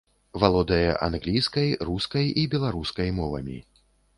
Валодае англійскай, рускай і беларускай мовамі.